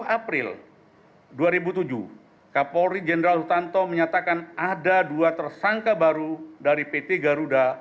dua puluh april dua ribu tujuh kapolri jenderal sutanto menyatakan ada dua tersangka baru dari pt garuda